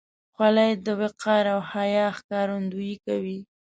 خولۍ د وقار او حیا ښکارندویي کوي.